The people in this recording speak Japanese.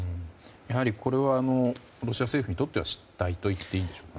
やはり、これはロシア政府にとっては失態といっていいでしょうか。